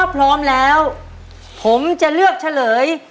พร้อมแล้วผมจะเลือกเฉลย